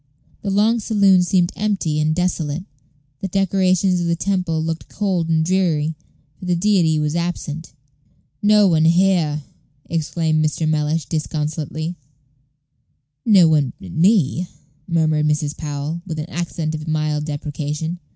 The long saloon seemed empty and desolate. The decorations of the temple looked cold and dreary, for the deity was absent. "No one here!" exclaimed Mr. Mellish, disconsolately. "No one but me," murmured Mrs. Powell, with an accent of mild deprecation.